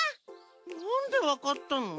なんでわかったの？